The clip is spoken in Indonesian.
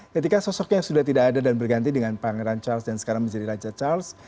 ketika sosoknya sudah tidak ada dan berganti dengan pangeran charles dan sekarang menjadi raja charles